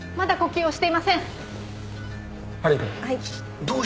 はい。